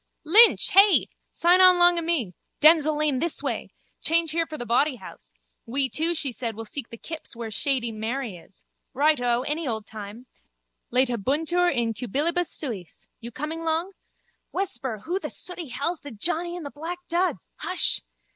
Pflaaaap! Lynch! Hey? Sign on long o' me. Denzille lane this way. Change here for Bawdyhouse. We two, she said, will seek the kips where shady Mary is. Righto, any old time. Laetabuntur in cubilibus suis. You coming long? Whisper, who the sooty hell's the johnny in the black duds? Hush!